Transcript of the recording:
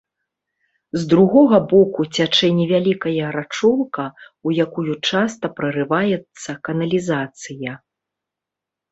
З другога боку цячэ невялікая рачулка, у якую часта прарываецца каналізацыя.